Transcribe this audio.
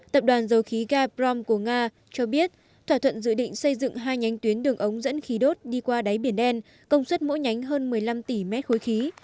tập đoàn dầu khí gabrom của nga cho biết thỏa thuận dự định xây dựng hai nhánh tuyến đường ống dẫn khí đốt đi qua đáy biển đen công suất mỗi nhánh hơn một mươi năm tỷ mét khối khí